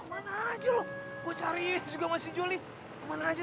kemana aja loh gue cari juga masih juli kemana aja